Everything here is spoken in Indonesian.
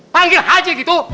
panggil haji gitu